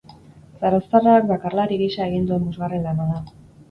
Zarauztarrak bakarlari gisa egin duen bosgarren lana da.